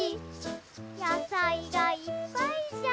やさいがいっぱいじゃ！